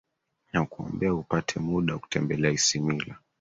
nakuombea upate muda wa kutembelea isimila